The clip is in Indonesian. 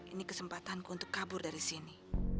ini kesempatanku untuk kabur dari sini